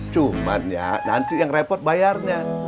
cuman ya nanti yang repot bayarnya